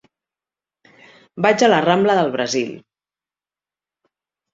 Vaig a la rambla del Brasil.